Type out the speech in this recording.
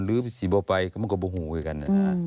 หรือว่าไปก็โบหูกันนะ